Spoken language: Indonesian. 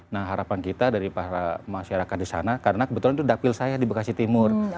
nah harapan kita dari para masyarakat di sana karena kebetulan itu dapil saya di bekasi timur